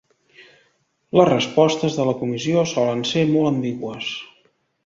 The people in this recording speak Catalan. Les respostes de la comissió solen ser molt ambigües.